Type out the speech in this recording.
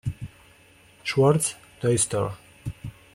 Schwartz toy store.